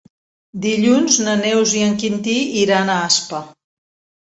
Dilluns na Neus i en Quintí iran a Aspa.